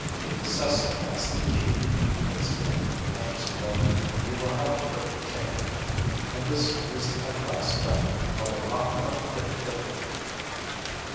"King Susko has the key," explained Anderson Rover. "You will have to break the chain," And this was at last done, although not without great difficulty.